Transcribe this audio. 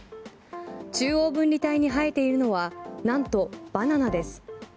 中央分離帯に生えているのはなんとバナナです。